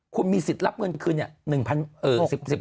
คุณมีสิทธิ์รับเงินคืนเนี่ย